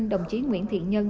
đồng chí nguyễn thiện nhân